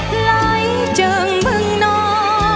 โปรดติดตามต่อไป